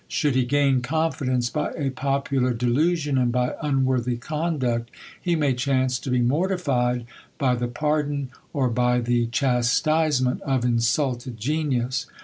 Should he gain confidence by a popular delusion, and by unworthy conduct, he may chance to be mortified by the pardon or by the chastisement of insulted genius.